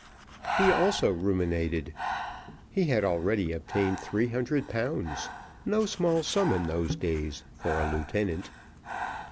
He also ruminated; he had already obtained three hundred pounds, no small sum, in those days, for a lieutenant.